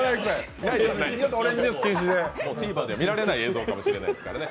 ＴＶｅｒでは見られない映像化もしれないですね。